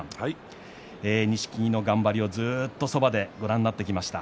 錦木の頑張りをずっとそばでご覧になってきました。